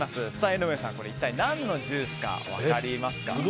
江上さん何のジュースか分かりますか？